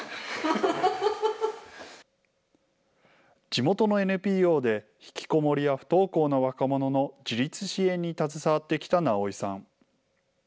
地元のＮＰＯで引きこもりや不登校の若者の自立支援に携わってきた直井さん。